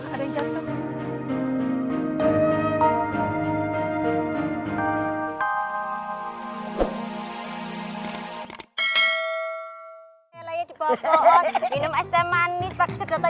ada yang jatuh